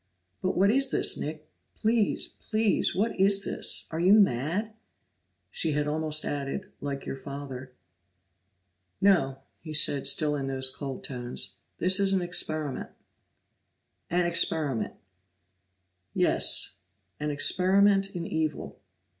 "But what is this, Nick? Please, please what is this? Are you mad?" She had almost added, "Like your father." "No," he said, still in those cold tones. "This is an experiment." "An experiment!" "Yes. An experiment in evil."